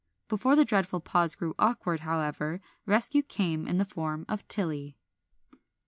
Before the dreadful pause grew awkward, however, rescue came in the form of Tilly.